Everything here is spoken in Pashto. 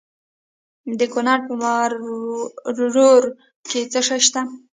د کونړ په مروره کې څه شی شته؟